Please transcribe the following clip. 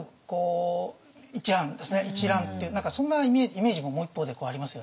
とにかく何かそんなイメージももう一方でありますよね。